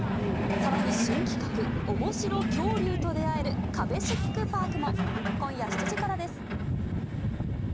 さらに新企画、おもしろ恐竜と出会える、カベシックパークも。